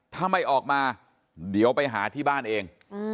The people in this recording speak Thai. ถ้าไม่ออกมาเดี๋ยวไปหาที่บ้านเอง